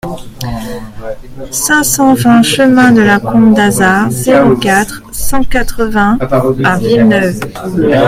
cinq cent vingt chemin de la Combe d'Azard, zéro quatre, cent quatre-vingts à Villeneuve